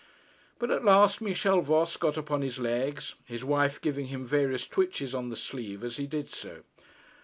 But at last Michel Voss got upon his legs, his wife giving him various twitches on the sleeve as he did so.